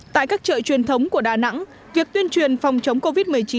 tại các chợ truyền thống của đà nẵng việc tuyên truyền phòng chống covid một mươi chín